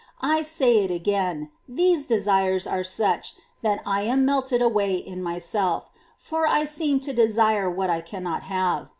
I say it again, these desires are such that I am melted away in myself, for I seem to desire what I cannot have.